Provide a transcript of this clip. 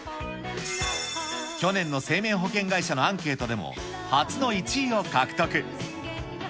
去年の生命保険会社のアンケートでも、初の１位を獲得。